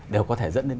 đều có thể dẫn đến